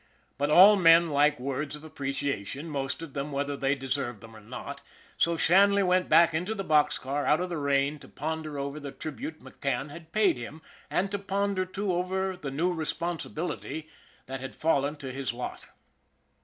But all men like words of appreciation, most of them whether they deserve them or not, so Shanley went back into the box car out of the rain to ponder over the tribute McCann had paid him, and to ponder, too, over the new responsibility that had fallen to his lot.